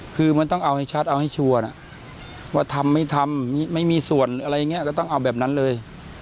คือมันต้องเอาให้ชัดเอาให้ชัวร์นะว่าทำไม่ทำไม่มีส่วนอะไรอย่างนี้ก็ต้องเอาแบบนั้นเลย